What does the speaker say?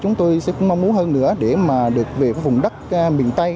chúng tôi sẽ mong muốn hơn nữa để mà được về vùng đất miền tây